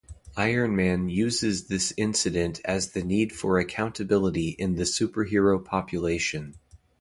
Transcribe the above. Iron Man uses this incident as the need for accountability in the superhero population.